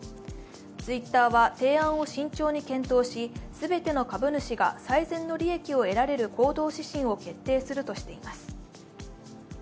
ツイッターは、提案を慎重に検討し全ての株主が最善の利益を得られる行動指針を決定するとしています。